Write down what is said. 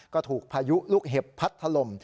ก็ถูกพายุลูกเห็บพัดถล่ม